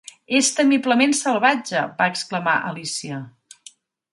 "És temiblement salvatge!" va exclamar Alícia.